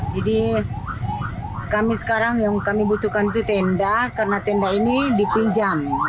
jadi kami sekarang yang kami butuhkan itu tenda karena tenda ini dipinjam